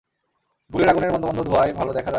গুলের আগুনের মন্দ মন্দ ধোঁয়ায় ভালো দেখা যায় না।